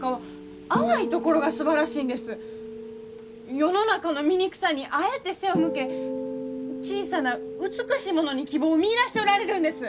世の中の醜さにあえて背を向け小さな美しいものに希望を見いだしておられるんです！